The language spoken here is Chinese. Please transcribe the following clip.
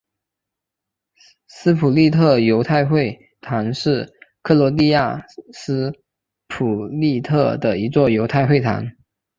斯普利特犹太会堂是克罗地亚斯普利特的一座犹太会堂。